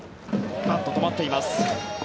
バットは止まっています。